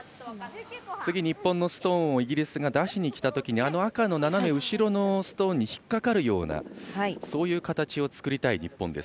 次、日本のストーンをイギリスが出しにきたときにあの赤の斜め後ろのストーンに引っかかるようなそういう形を作りたい日本。